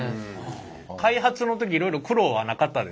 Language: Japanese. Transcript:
開発の時いろいろ苦労はなかったですか？